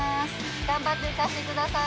頑張って浮かせてください。